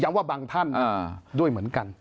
ว่าบางท่านด้วยเหมือนกัน